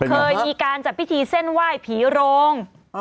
เคยมีการจัดพิธีเส้นไหว้ผีโรง